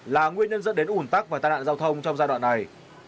tuyến dẫn đến un tắc và tai nạn giao thông trong giai đoạn này